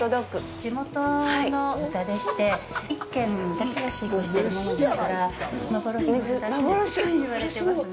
地元の豚でして１軒だけが飼育してるものですから幻の豚っていわれてますね。